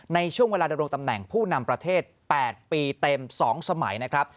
ในช่วงเวลาดำรงตำแหน่งผู้นำประเทศ๘ปีเต็ม๒สมัยนะครับ